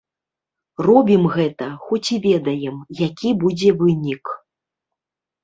Робім гэта, хоць і ведаем, які будзе вынік.